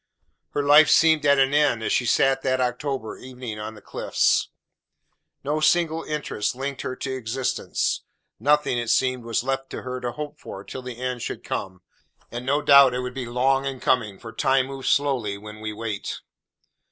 Her life seemed at an end as she sat that October evening on the cliffs. No single interest linked her to existence; nothing, it seemed, was left her to hope for till the end should come and no doubt it would be long in coming, for time moves slowly when we wait.